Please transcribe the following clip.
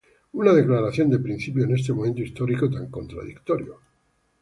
Una declaración de principios en este momento histórico tan contradictorio.